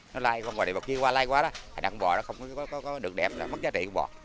nó lai qua lai qua đó thì con bò nó không có được đẹp mất giá trị con bò